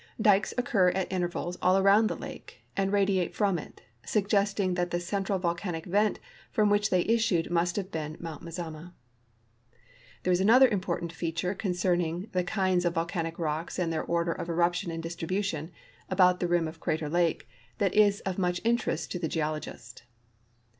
Dikes occur at intervals all around the lake, and radiate from it, suggesting that the central volcanic vent from which they issued must have been Mount Mazama. There is another important feature concerning the kinds of volcanic rocks and their order of eruption and distribution about the rim of Crater lake that is of much interest to the geologist.